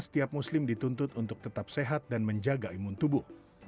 setiap muslim dituntut untuk tetap sehat dan menjaga imun tubuh